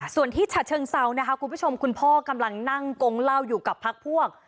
ส่วนที่ฉะเชิงเซานะคะคุณผู้ชมคุณพ่อกำลังนั่งกงเหล้าอยู่กับพักพวก